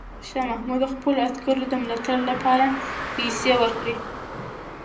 شاه محمود د خپلو عسکرو د ملاتړ لپاره پیسې ورکړې.